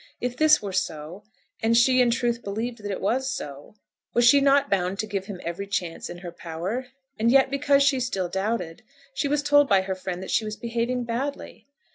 If this were so, and she in truth believed that it was so, was she not bound to give him every chance in her power? And yet because she still doubted, she was told by her friend that she was behaving badly!